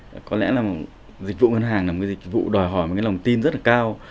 có lẽ là dịch vụ ngân hàng là một cái dịch vụ đòi hỏi một cái lòng tin rất là cao